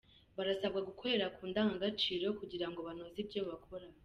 Barasabwa gukorera ku ndangagaciro kugira ngo banoze ibyo bakora